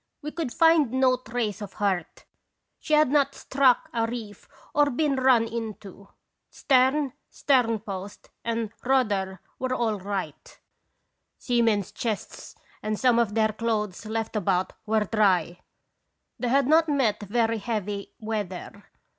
We could find no trace of hurt; she had not struck a reef or been run into; stern, sternpost, and rudder were all right. Seamen's chests and some of & (^radons bisilaiian. 167 their clothes left about were dry. They had not met very heavy weather.